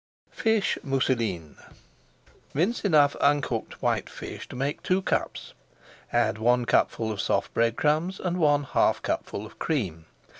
FISH MOUSSELINES Mince enough uncooked white fish to make two cups, add one cupful of soft bread crumbs and one half cupful of cream.